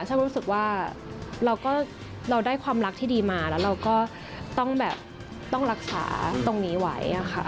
รู้สึกว่าเราก็เราได้ความรักที่ดีมาแล้วเราก็ต้องแบบต้องรักษาตรงนี้ไว้ค่ะ